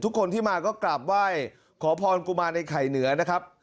ทุกคนที่มาก็กราบไหว้ขอพรกุมารไอ้ไข่เหนือนะครับ